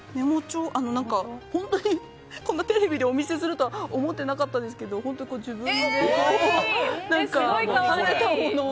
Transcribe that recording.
本当にこんなテレビでお見せするとは思っていなかったんですけどこれ、自分で何か食べたものを。